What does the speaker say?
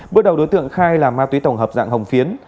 bước đầu đối tượng khai là ma túy tổng hợp dạng hồng phiến